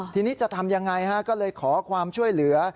ทีนี้จะทำยังไงก็เลยขอความช่วยเหลือ